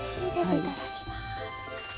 いただきます。